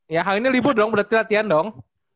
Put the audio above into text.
ya hari ini libur dong berlatih latihan dong